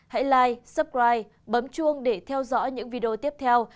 hãy like subscribe bấm chuông để theo dõi những video tiếp theo